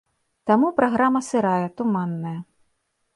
Таму праграма сырая, туманная.